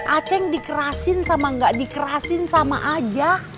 aceng dikerasin sama gak dikerasin sama aja